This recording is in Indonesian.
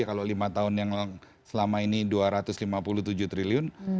kalau lima tahun yang selama ini dua ratus lima puluh tujuh triliun